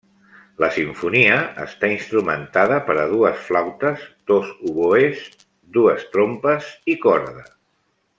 La simfonia està instrumentada per a dues flautes, dos oboès, dues trompes i corda.